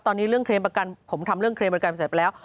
ตอนนี้เรื่องเคลมประกันผมทำเรื่องเคลมประกันเสร็จไปแล้ว